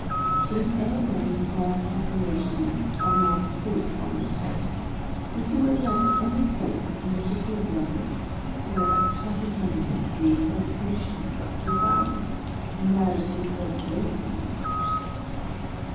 But if any man desire confirmation of my statement on this head, let him repair to any place in this city of London, where scattered numbers of these publications are to be found; and there, let him form his own opinion.